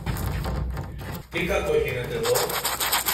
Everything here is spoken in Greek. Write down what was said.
Τι κακό γίνεται δω;